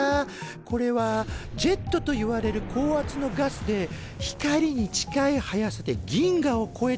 これは「ジェット」といわれる高圧のガスで光に近い速さで銀河をこえて飛んでいくんだよ。